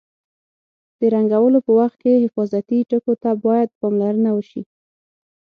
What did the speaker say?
د رنګولو په وخت کې حفاظتي ټکو ته باید پاملرنه وشي.